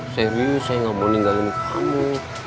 serius saya nggak mau ninggalin kamu